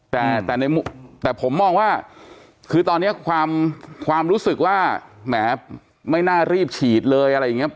แต่ผมมองว่าคือตอนนี้ความรู้สึกว่าแหมไม่น่ารีบฉีดเลยอะไรอย่างนี้